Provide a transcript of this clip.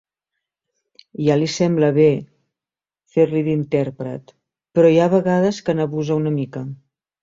Ja li sembla bé, fer-li d'intèrpret, però hi ha vegades que n'abusa una mica.